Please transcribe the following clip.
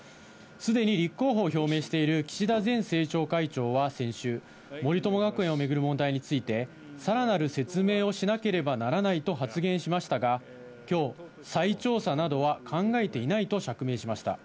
すでに立候補を表明している岸田前政調会長は先週、森友学園を巡る問題について、さらなる説明をしなければならないと発言しましたが、きょう、再調査などは考えていないと釈明しました。